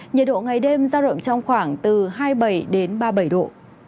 nhiệt độ ngày đêm ra rộng trong khoảng từ hai mươi bảy đến ba mươi bảy độ